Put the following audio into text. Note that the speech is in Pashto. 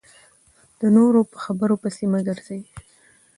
د نورو په خبرو پسې مه ګرځئ .